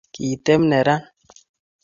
kiteb neran